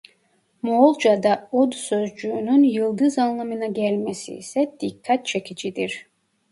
Moğolcada Od sözcüğünün yıldız anlamına gelmesi ise dikkat çekicidir.